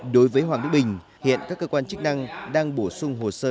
đối với hoàng đức bình hiện các cơ quan chức năng đang bổ sung hồ sơ